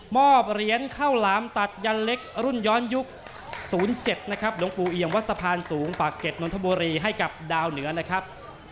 เหรียญข้าวหลามตัดยันเล็กรุ่นย้อนยุค๐๗นะครับหลวงปู่เอี่ยมวัดสะพานสูงปากเก็ตนนทบุรีให้กับดาวเหนือนะครับ